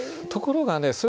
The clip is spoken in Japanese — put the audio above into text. ところがね